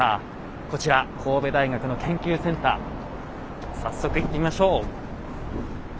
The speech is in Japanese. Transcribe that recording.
こちら神戸大学の研究センター早速行ってみましょう。